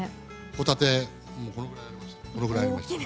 ホタテこれくらいありました。